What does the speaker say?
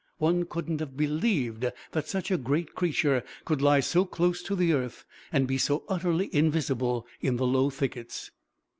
One couldn't have believed that such a great creature could lie so close to the earth and be so utterly invisible in the low thickets.